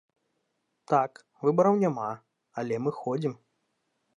Так, выбараў няма, але мы ходзім.